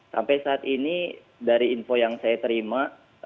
sampai saat ini dari info yang saya terima